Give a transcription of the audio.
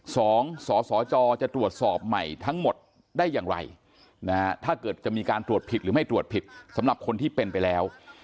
สองสสจจะตรวจสอบใหม่ทั้งหมดได้อย่างไรนะฮะถ้าเกิดจะมีการตรวจผิดหรือไม่ตรวจผิดสำหรับคนที่เป็นไปแล้ว